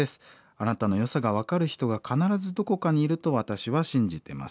あなたのよさが分かる人が必ずどこかにいると私は信じてます」。